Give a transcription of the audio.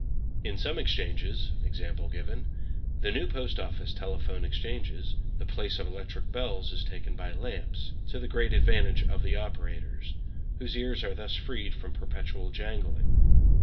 In some exchanges, e.g. the new Post Office telephone exchanges, the place of electric bells is taken by lamps, to the great advantage of the operators, whose ears are thus freed from perpetual jangling.